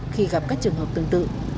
khi gặp các trường hợp tương tự